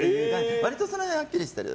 割とその辺はっきりしてる。